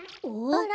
あら？